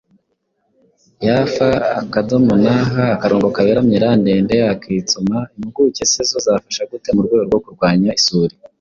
Yf.nh/l,m Impuguke se zo zafasha gute mu rwego rwo kurwanya isuri